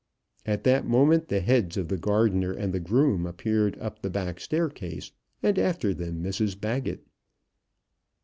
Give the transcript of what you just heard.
At that moment the heads of the gardener and the groom appeared up the back staircase, and after them Mrs Baggett.